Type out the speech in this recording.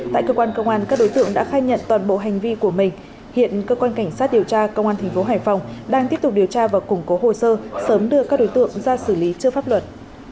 tại cơ quan công an các đối tượng đã khai nhận toàn bộ hành vi của mình hiện cơ quan cảnh sát điều tra công an tp hải phòng đang tiếp tục điều tra và củng cố hồ sơ sớm đưa các đối tượng ra xử lý trước pháp luật